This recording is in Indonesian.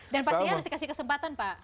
dan pastinya harus dikasih kesempatan pak